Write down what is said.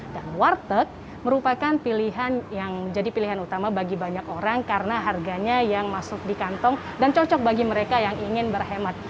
dan warteg merupakan pilihan yang menjadi pilihan utama bagi banyak orang karena harganya yang masuk di kantong dan cocok bagi mereka yang ingin berhemat